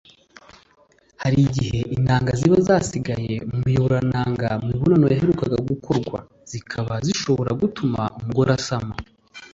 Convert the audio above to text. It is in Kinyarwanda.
hari igihe intanga ziba zasigaye mu miyoborantanga mu mibonano yaherukaga gukorwa zikaba zishobora gutuma umugore asama